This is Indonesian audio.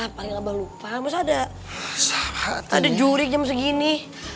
paling gak bakal lupa ada jurik jam segini